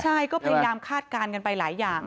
ใช่ก็พยายามคาดการณ์กันไปหลายอย่าง